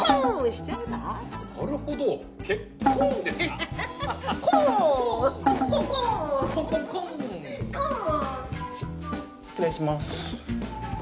し失礼します。